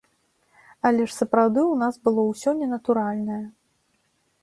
Але ж сапраўды ў нас было ўсё ненатуральнае.